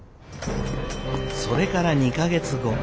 それから２か月後。